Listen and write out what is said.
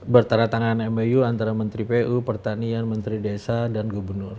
bertera tangan mu antara menteri pu pertanian menteri desa dan gubernur